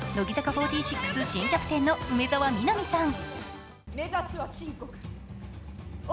４６新キャプテンの梅澤美波さん。